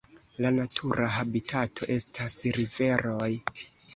La natura habitato estas riveroj.